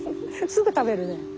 すぐ食べるね。